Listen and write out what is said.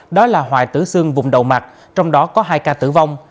đó là hoại tử xương vùng đầu mặt trong đó có hai ca tử vong